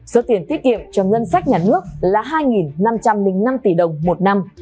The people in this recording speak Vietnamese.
số tiền tiết kiệm cho ngân sách nhà nước là hai năm trăm linh năm tỷ đồng một năm